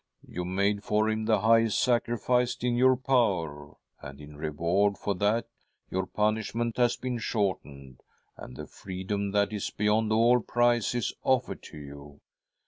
" You made for him the highest sacrifice in your power, and, in reward for that,, your punishment has been shortened, and the freedom that is beyond all price is offered to you.